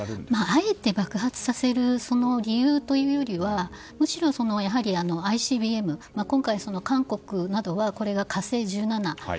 あえて爆発させる理由というよりはむしろ、ＩＣＢＭ韓国などはこれが「火星１７」